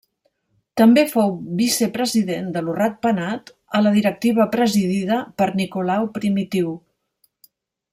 També fou vicepresident de Lo Rat Penat a la directiva presidida per Nicolau Primitiu.